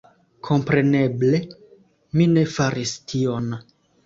Kompreneble, mi ne faris tion